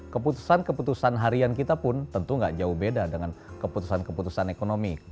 keputusan keputusan harian kita pun tentu nggak jauh beda dengan keputusan keputusan ekonomi